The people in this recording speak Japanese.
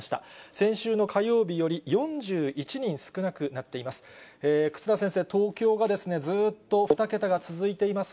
先週の火曜日より４１人少なくなっています。